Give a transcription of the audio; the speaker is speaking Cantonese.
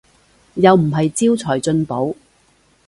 又唔係招財進寶